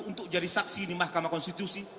untuk jadi saksi di mahkamah konstitusi